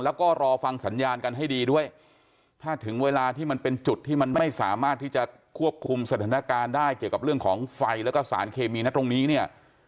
แล้วก็รอฟังสัญญาณกันให้ดีด้วยถ้าถึงเวลาที่มันเป็นจุดที่มันไม่สามารถที่จะควบคุมสถานการณ์ได้เกี่ยวกับเรื่องของไฟแล้วก็สารเคมีนะตรงนี้เนี่ย